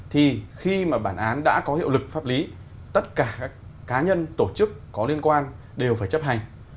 thì khi mà bản án đã có hiệu lực pháp lý tất cả các cá nhân tổ chức có liên quan đều phải chấp hành